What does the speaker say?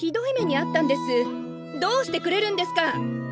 どうしてくれるんですか！